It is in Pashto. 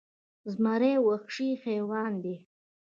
زمری وخشي حیوان دې